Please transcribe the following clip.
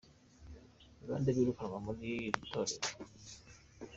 Ni bande birukanwa muri iri torero ?.